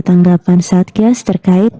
tanggapan satgas terkait